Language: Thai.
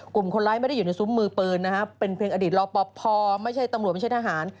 กลุ่มคนร้ายไม่ได้อยู่ในซุ้มมือปืนนะครับเป็นเพียงอดีตรอปภไม่ใช่ตำรวจไม่ใช่ทหาร